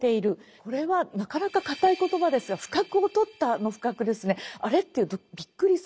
これはなかなか堅い言葉ですが「不覚を取った」の「不覚」ですね。